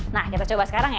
nah kita coba sekarang ya